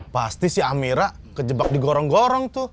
pasti si amira kejebak digorong gorong tuh